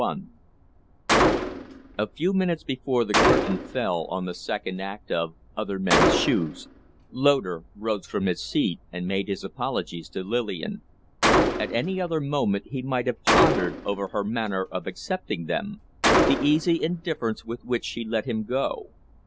XXXI A few minutes before the curtain fell on the second act of 'Other Men's Shoes' Loder rose from his seat and made his apologies to Lillian. At any other moment he might have pondered over her manner of accepting them the easy indifference with which she let him go.